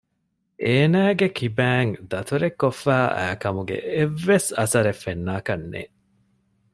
އޭނާގެ ކިބައިން ދަތުރެއްކޮށްފައި އައިކަމުގެ އެއްވެސް އަސަރެއް ފެންނާކަށް ނެތް